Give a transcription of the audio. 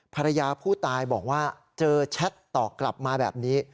ภรรยาผู้ตายบอกว่าเจอแชทต่อกลับมาแบบนี้